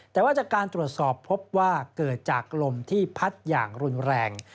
แต่ว่าจากการตรวจสอบพบว่าเกิดจากลมที่พัดอย่างรุนแรง